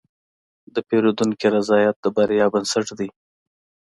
د پیرودونکي رضایت د بریا بنسټ دی.